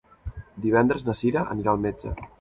Divendres na Sira anirà al metge.